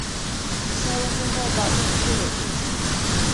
现任中共保定市委书记。